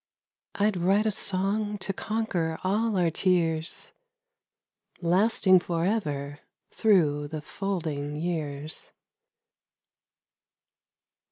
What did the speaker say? ... I'd write a song to conquer all our tears, Lasting for ever through the folding years.